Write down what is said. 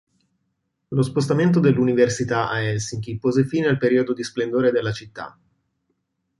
Lo spostamento dell'università a Helsinki pose fine al periodo di splendore della città.